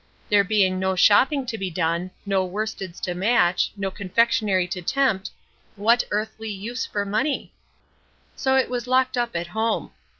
There being no shopping to be done, no worsteds to match, no confectionary to tempt what earthly use for money? So it was locked up at home.